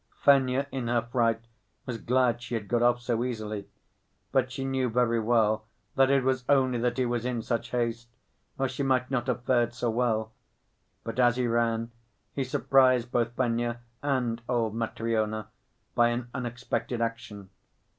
Fenya in her fright was glad she had got off so easily. But she knew very well that it was only that he was in such haste, or she might not have fared so well. But as he ran, he surprised both Fenya and old Matryona by an unexpected action.